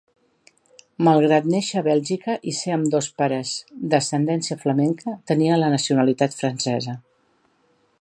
Malgrat nàixer a Bèlgica, i ser ambdós pares d'ascendència flamenca, tenia la nacionalitat francesa.